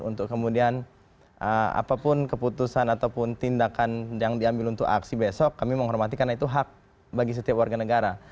untuk kemudian apapun keputusan ataupun tindakan yang diambil untuk aksi besok kami menghormati karena itu hak bagi setiap warga negara